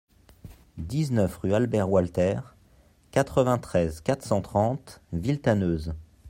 dix-neuf rue Albert Walter, quatre-vingt-treize, quatre cent trente, Villetaneuse